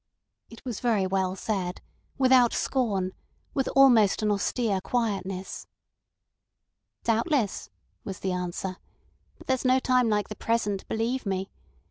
It was very well said, without scorn, with an almost austere quietness. "Doubtless," was the answer; "but there's no time like the present, believe me.